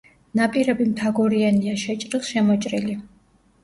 ნაპირები მთაგორიანია, შეჭრილ-შემოჭრილი.